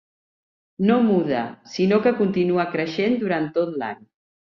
No muda, sinó que continua creixent durant tot l'any.